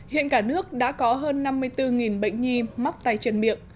hiện cả nước đã có hơn năm mươi bốn bệnh nhi mắc tay chân miệng